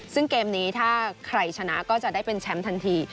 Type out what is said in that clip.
ซึ่งเกมนี้ถ้าใครชนะก็จะได้เป็นแชมป์ทันที